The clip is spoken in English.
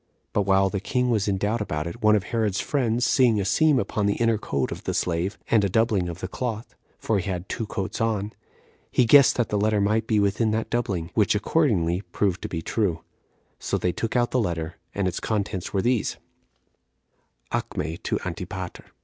But while the king was in doubt about it, one of Herod's friends seeing a seam upon the inner coat of the slave, and a doubling of the cloth, [for he had two coats on,] he guessed that the letter might be within that doubling; which accordingly proved to be true. So they took out the letter, and its contents were these: "Acme to Antipater.